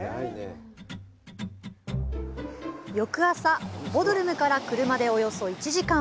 翌朝、ボドルムから車でおよそ１時間。